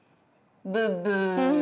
ブッブー。